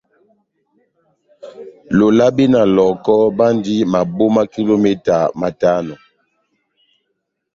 Lolabe na Lɔhɔkɔ bandi maboma kilometa matano.